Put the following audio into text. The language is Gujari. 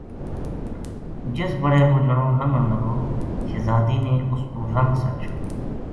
جِس بڑے وہ جنو لنگن لگو شہزادی نے اُس پو رنگ سَٹ چھڑیو